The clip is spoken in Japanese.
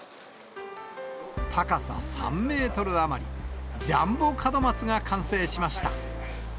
高さ３メートル余り、ジャンボ門松が完成しました。